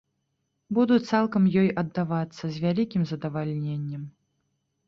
Буду цалкам ёй аддавацца, з вялікім задавальненнем.